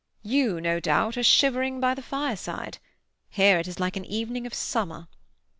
You, no doubt, are shivering by the fireside; here it is like an evening of summer.